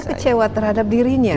dia kecewa terhadap dirinya